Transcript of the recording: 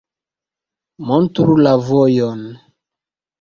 Montru la vojon.